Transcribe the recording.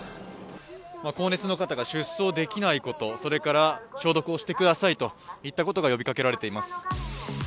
高熱の方が出走できないこと、それから、消毒をしてくださいといったことが呼びかけられています。